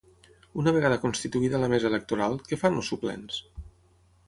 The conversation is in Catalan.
Una vegada constituïda la mesa electoral, què fan els suplents?